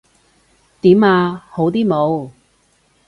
點呀？好啲冇？